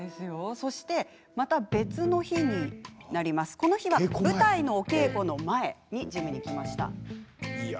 そしてまた別の日にはこの日は舞台のお稽古の前にジムに行きました。